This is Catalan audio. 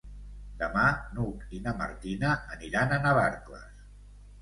Demà n'Hug i na Martina aniran a Navarcles.